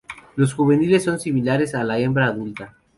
Los juveniles son similares a la hembra adulta.